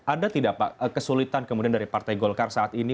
ada tidak pak kesulitan kemudian dari partai golkar saat ini